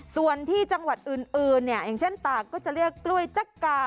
ส่วนที่จังหวัดอื่นเนี่ยอย่างเช่นตากก็จะเรียกกล้วยจักกา